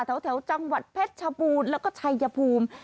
แถวจังหวัดเพชรชบูรณ์แล้วก็ชัยภูมิ